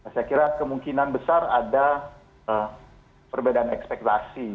saya kira kemungkinan besar ada perbedaan ekspektasi